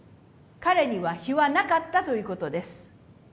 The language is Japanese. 彼には非はなかったということです